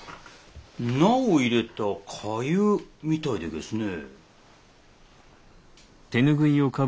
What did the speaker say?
菜を入れた粥みたいでげすね。